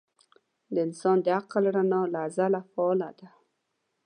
د انسان د عقل رڼا له ازله فعاله ده.